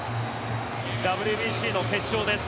ＷＢＣの決勝です。